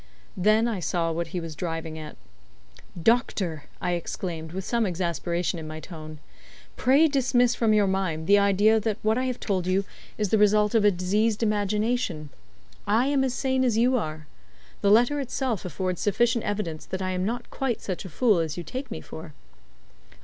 Then I saw what he was driving at. "Doctor," I exclaimed, with some exasperation in my tone "pray dismiss from your mind the idea that what I have told you is the result of diseased imagination. I am as sane as you are. The letter itself affords sufficient evidence that I am not quite such a fool as you take me for."